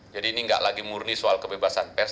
jadi ini tidak lagi murni soal kebebasan pers